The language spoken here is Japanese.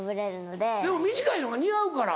でも短いのが似合うから。